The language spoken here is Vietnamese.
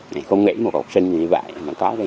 nó gi traced